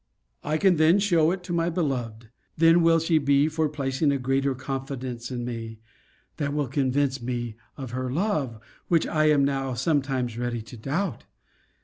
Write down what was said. I can then show it to my beloved; then will she be for placing a greater confidence in me that will convince me of her love, which I am now sometimes ready to doubt.